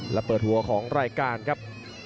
และเปิดหัวของรายการครับ